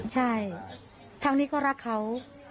ใช่ทั้งนี้ก็รักเขา